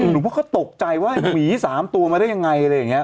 หนูเพราะเขาตกใจว่าหมี๓ตัวมาได้ยังไงอะไรอย่างนี้